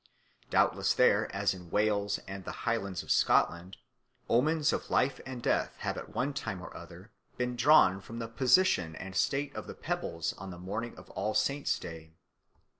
Doubtless there, as in Wales and the Highlands of Scotland, omens of life and death have at one time or other been drawn from the position and state of the pebbles on the morning of All Saints' Day.